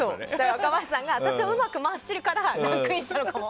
若林さんが私をうまく回してるからランクインしてるのかも。